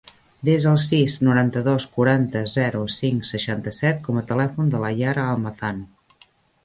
Desa el sis, noranta-dos, quaranta, zero, cinc, seixanta-set com a telèfon de la Yara Almazan.